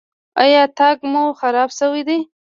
ایا تګ مو خراب شوی دی؟